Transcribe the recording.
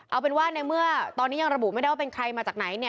เอาเป็นว่าในเมื่อตอนนี้ยังระบุไม่ได้ว่าเป็นใครมาจากไหนเนี่ย